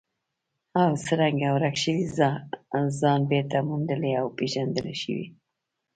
او څرنګه ورک شوی ځان بېرته موندلی او پېژندلی شو.